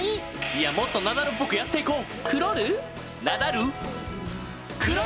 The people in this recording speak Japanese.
いやもっとナダルっぽくやっていこう。